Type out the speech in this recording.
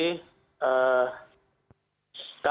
kami ingin tegaskan